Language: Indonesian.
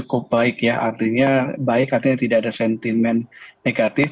cukup baik ya artinya baik artinya tidak ada sentimen negatif